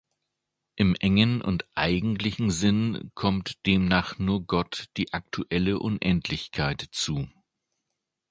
Im engen und eigentlichen Sinn kommt demnach nur Gott die aktuelle Unendlichkeit zu.